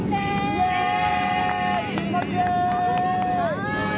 イエーイ、気持ちいい。